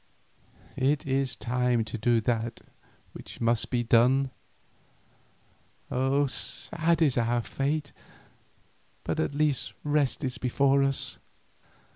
It is time to do that which must be done. Sad is our fate, but at least rest is before us.